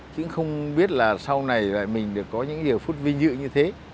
chứ không biết là sau này mình được có những điều phút vinh dự như thế